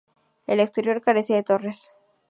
El exterior carecía de torres.